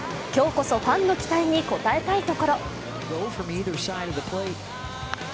今日こそ、ファンの期待に応えたいところ。